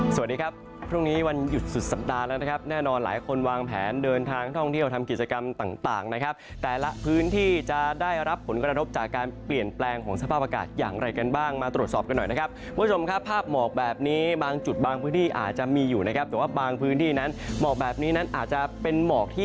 สวัสดีครับพรุ่งนี้วันหยุดสุดสัปดาห์แล้วนะครับแน่นอนหลายคนวางแผนเดินทางท่องเที่ยวทำกิจกรรมต่างนะครับแต่ละพื้นที่จะได้รับผลกระทบจากการเปลี่ยนแปลงของสภาพอากาศอย่างไรกันบ้างมาตรวจสอบกันหน่อยนะครับคุณผู้ชมครับภาพหมอกแบบนี้บางจุดบางพื้นที่อาจจะมีอยู่นะครับแต่ว่าบางพื้นที่นั้นหมอกแบบนี้นั้นอาจจะเป็นหมอกที่